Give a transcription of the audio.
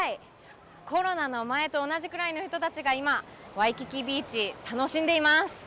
コロナの前と同じくらいの人たちが今、ワイキキビーチ、楽しんでいます。